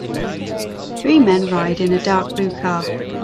three men ride in a dark blue car.